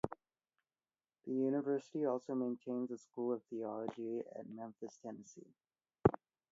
The university also maintains a School of Theology in Memphis, Tennessee.